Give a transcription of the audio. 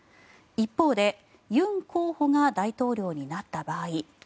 一方でユン候補が大統領になった場合